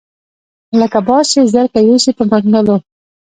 لکه باز چې زرکه یوسي په منګلو